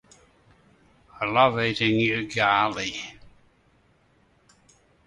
I love eating ugali